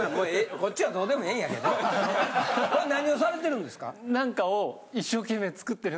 これ何をされてるんですか？